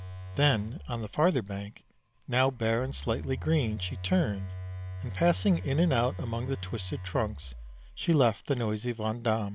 Then, on the farther bank, now bare and slightly green, she turned, and passing in and out among the twisted trunks, she left the noisy Vand dam.